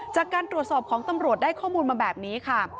จากการตรวจสอบของตำรวจได้ข้อมูลมาแบบนี้ค่ะ